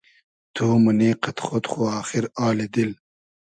تو مونی قئد خۉد خو آخیر آلی دیل